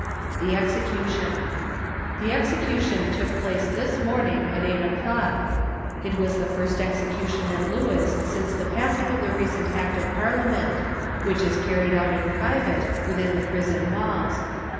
THE EXECUTION. The execution took place this morning, at eight o'clock, It was the first execution at Lewes since the passing of the recent act of Parliament; which is carried out in private, within the prison walls.